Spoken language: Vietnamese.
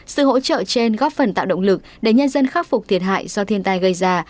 sự hỗ trợ trên góp phần tạo động lực để nhân dân khắc phục thiệt hại do thiên tai gây ra